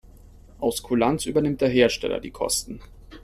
Aus Kulanz übernimmt der Hersteller die Kosten.